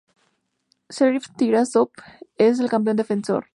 Sheriff Tiraspol es el campeón defensor.